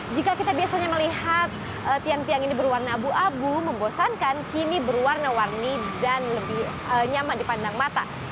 jika kita biasanya melihat tiang tiang ini berwarna abu abu membosankan kini berwarna warni dan lebih nyaman dipandang mata